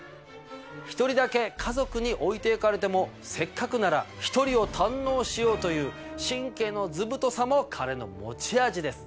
１人だけ家族に置いて行かれてもせっかくなら１人を堪能しようという神経のずぶとさも彼の持ち味です。